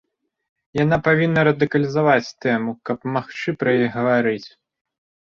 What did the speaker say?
Яна павінна радыкалізаваць тэму, каб магчы пра яе гаварыць.